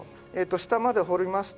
下まで掘りますと。